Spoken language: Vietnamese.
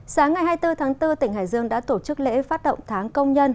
sáng ngày hai mươi bốn tháng bốn tỉnh hải dương đã tổ chức lễ phát động tháng công nhân